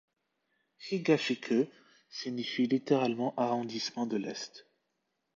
Higashi-ku signifie littéralement arrondissement de l'est.